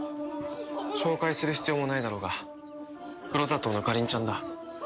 紹介する必要もないだろうが黒砂糖のかりんちゃんだ。